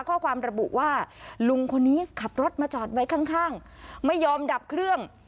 ข้อความระบุว่าลุงคนนี้ขับรถมาจอดไว้ข้างข้างไม่ยอมดับเครื่อง